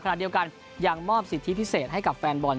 ขณะเดียวกันยังมอบสิทธิพิเศษให้กับแฟนบอล